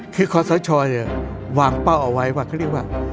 คือขอสชวางเป้าเอาไว้ว่าเขาเรียกว่า